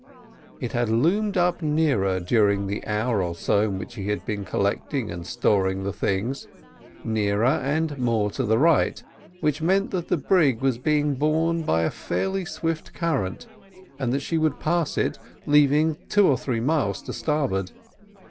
It had loomed up nearer during the hour or so in which he had been collecting and storing the things—nearer, and more to the right, which meant that the brig was being borne by a fairly swift current, and that she would pass it, leaving it two or three miles to starboard.